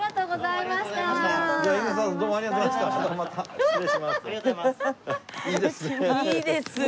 いいです。